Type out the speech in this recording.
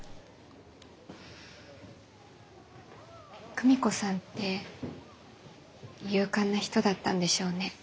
久美子さんって勇敢な人だったんでしょうね。